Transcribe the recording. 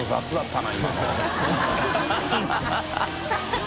ハハハ